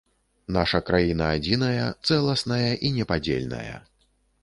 Наша краіна адзіная, цэласная і непадзельная.